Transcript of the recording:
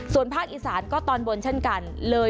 ส่วนภาคอีสานก็ตอนบนเช่นกันเลย